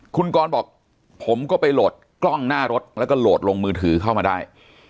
คุณกรบอกผมก็ไปโหลดกล้องหน้ารถแล้วก็โหลดลงมือถือเข้ามาได้